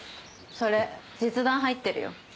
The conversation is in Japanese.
それ実弾入ってるよ。